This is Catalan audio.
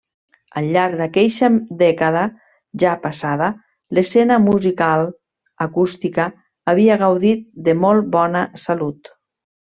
Al llarg d'aqueixa dècada ja passada, l'escena musical acústica havia gaudit de molt bona salut.